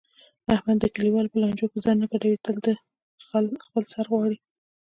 احمد د کلیوالو په لانجو کې ځان نه ګډوي تل د خپل سر غواړي.